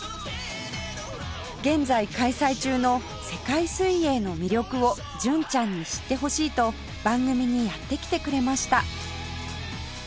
現在開催中の世界水泳の魅力を純ちゃんに知ってほしいと番組にやって来てくれました